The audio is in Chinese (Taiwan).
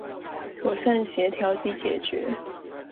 妥善協調及解決